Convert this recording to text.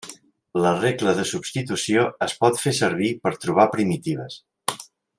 La regla de substitució es pot fer servir per a trobar primitives.